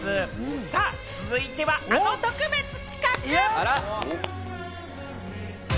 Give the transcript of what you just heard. さあ、続いては、あの特別企画。